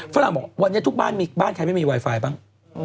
ฝรั่งบอกวันนี้ทุกบ้านมีบ้านใครไม่มีไวไฟบ้าง